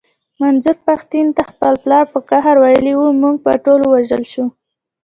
منظور پښتين ته خپل پلار په قهر ويلي و مونږ به ټول ووژل شو.